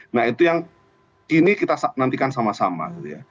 nah itu yang ini kita nantikan sama sama